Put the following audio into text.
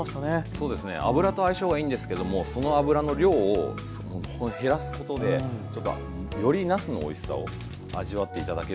そうですね油と相性がいいんですけどもその油の量を減らすことでよりなすのおいしさを味わって頂けるんじゃないかなと。